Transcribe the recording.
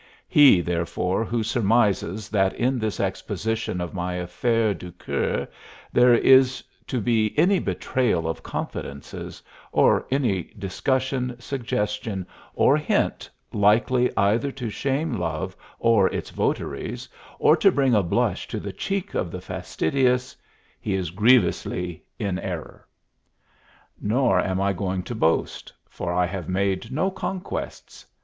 He, therefore, who surmises that in this exposition of my affaires du coeur there is to be any betrayal of confidences, or any discussion, suggestion, or hint likely either to shame love or its votaries or to bring a blush to the cheek of the fastidious he is grievously in error. Nor am I going to boast; for I have made no conquests.